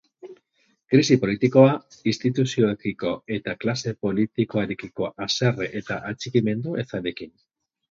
Krisi politikoa, instituzioekiko eta klase politikoarekiko haserre eta atxikimendu ezarekin.